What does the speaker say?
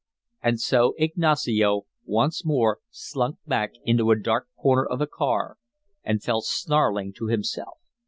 And so Ignacio once more slunk back into a dark corner of the car and fell snarling to himself.